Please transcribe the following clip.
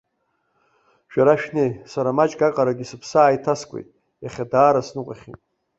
Шәара шәнеи, сара маҷк аҟарагьы сыԥсы ааиҭаскуеит, иахьа даара сныҟәахьеит.